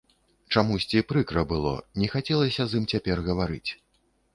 Чамусьці прыкра было, не хацелася з ім цяпер гаварыць.